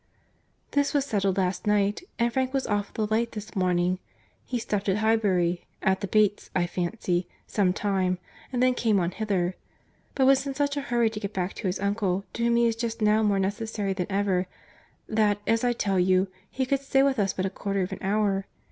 "This was settled last night, and Frank was off with the light this morning. He stopped at Highbury, at the Bates's, I fancy, some time—and then came on hither; but was in such a hurry to get back to his uncle, to whom he is just now more necessary than ever, that, as I tell you, he could stay with us but a quarter of an hour.